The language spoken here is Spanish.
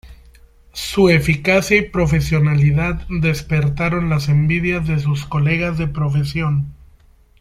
Su eficacia y profesionalidad despertaron las envidias de sus colegas de profesión.